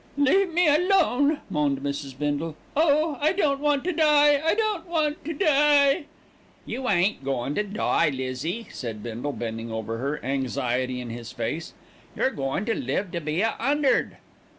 "Leave me alone," moaned Mrs. Bindle. "Oh! I don't want to die, I don't want to die." "You ain't goin' to die, Lizzie," said Bindle, bending over her, anxiety in his face. "You're goin' to live to be a 'undred."